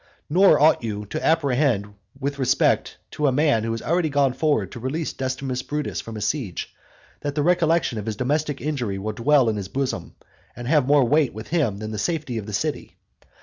Nor ought you to apprehend with respect to a man who has already gone forward to release Decimus Brutus from a siege, that the recollection of his domestic injury will dwell in his bosom, and have more weight with him than the safety of the city.